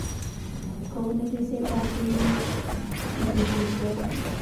Kou ne keset ap kenyi ni kosirto?